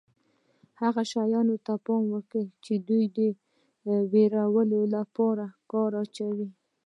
هغو شیانو ته پام کوه چې د وېرولو لپاره یې په کار اچوي.